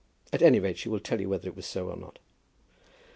At any rate she will tell you whether it was so or not."